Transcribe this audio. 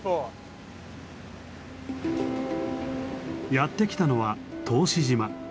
やって来たのは答志島。